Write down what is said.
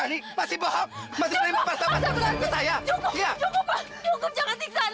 ibu ngapain sih ibu bangun